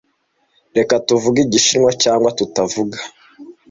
Reka tuvuge Igishinwa, cyangwa tutavuga